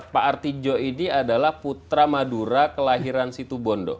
pak artijo ini adalah putra madura kelahiran situbondo